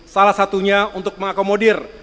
salah satunya untuk mengakomodir